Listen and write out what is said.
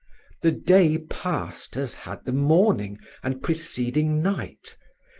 The day passed as had the morning and preceding night.